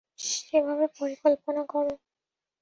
সেভাবে পরিকল্পনা করো।